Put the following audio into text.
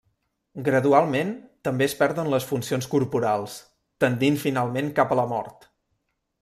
Gradualment, també es perden les funcions corporals, tendint finalment cap a la mort.